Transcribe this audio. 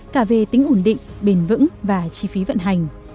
cả về tính ổn định bền vững và chi phí vận hành